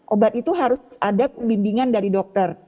obat itu harus ada bimbingan dari dokter